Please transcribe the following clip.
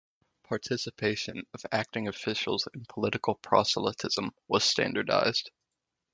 Participation of acting officials in political proselytism was standardized.